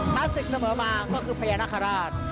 พระศึกเสมอมาก็คือพญานคราช